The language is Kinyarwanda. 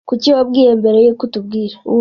Kuki wabwiye mbere yuko utubwira?